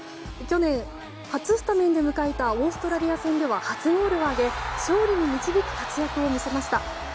去年、初スタメンで迎えたオーストラリア戦では初ゴールを挙げ勝利に導く活躍を見せました。